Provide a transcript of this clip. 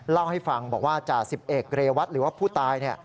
เล่าให้ฟังบอกว่าจ่าสิบเอกเรวัตหรือว่าผู้ตาย